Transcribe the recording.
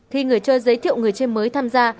khi người chơi giới thiệu người chơi mới tham gia